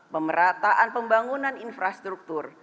pemerataan pembangunan infrastruktur